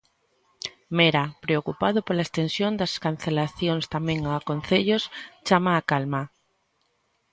Mera, preocupado pola extensión das cancelacións tamén a concellos, chama á calma.